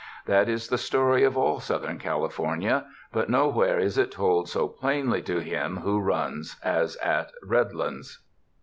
That is the story of all Southern Cali fornia ; but nowhere is it told so plainly to him who runs as at Redlands.